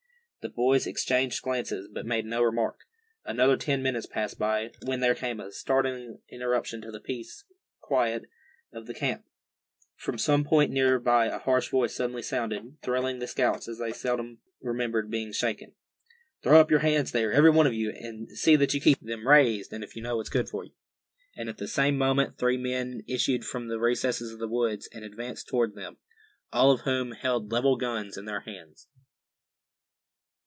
The boys exchanged glances, but made no remark. Another ten minutes passed by, when there came a startling interruption to the peaceful quiet of the camp. From some point near by a harsh voice suddenly sounded, thrilling the scouts as they could seldom remember being shaken: "Throw up your hands, there, every one of you, and see that you keep 'em raised, if you know what's good for you!" And at the same moment three men issued from the recesses of the woods, and advanced toward them, all of whom held leveled guns in their hands.